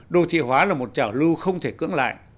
đô thị hóa là một trảo lưu không thể cưỡng lại